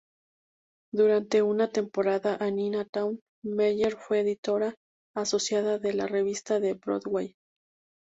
Durante una temporada, Annie Nathan Meyer fue editora asociada de la "Revista de Broadway.